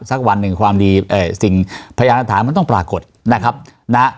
สักวันหนึ่งความดีเอ่อสิ่งพยานฐานมันต้องปรากฏนะครับนะ